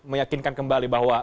meyakinkan kembali bahwa